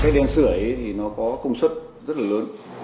cái đèn sửa thì nó có công suất rất là lớn